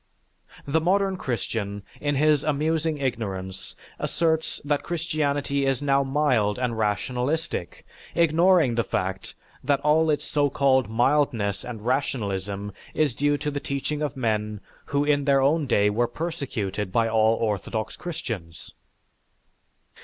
The modern Christian, in his amusing ignorance, asserts that Christianity is now mild and rationalistic, ignoring the fact that all its so called mildness and rationalism is due to the teaching of men who in their own day were persecuted by all orthodox Christians.